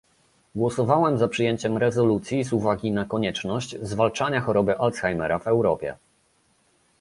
Głosowałam za przyjęciem rezolucji z uwagi na konieczność zwalczania choroby Alzheimera w Europie